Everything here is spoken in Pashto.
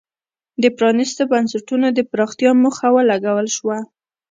د پرانیستو بنسټونو د پراختیا موخه ولګول شوه.